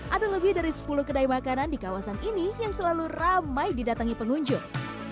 ada lebih dari sepuluh kedai makanan di kawasan ini yang selalu ramai didatangi pengunjung